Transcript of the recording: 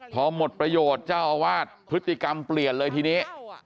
พอหมดประโยชน์เจ้าอาวาสพฤติกรรมเปลี่ยนเลยทีนี้